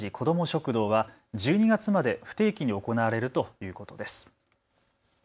食堂は１２月まで不定期に行われるということです。